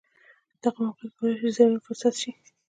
دغه موقیعت کولای شي زرین فرصت شي.